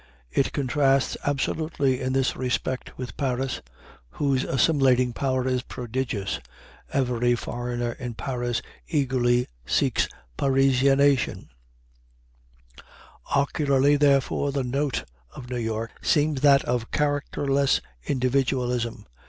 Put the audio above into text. It contrasts absolutely in this respect with Paris, whose assimilating power is prodigious; every foreigner in Paris eagerly seeks Parisianization. Ocularly, therefore, the "note" of New York seems that of characterless individualism.